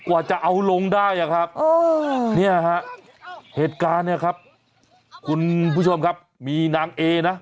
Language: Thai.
กว่าจะเอาลงได้อะครับเนี่ยฮะเหตุการณ์เนี่ยครับคุณผู้ชมครับมีนางเอนะ